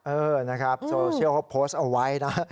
เออนะครับโซเชียลเขาโพสต์เอาไว้นะ